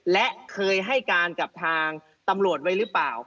และเคยให้การกับทางตำรวจไว้หรือเปล่า